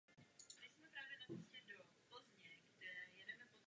Zdržet se hlasování není řešením.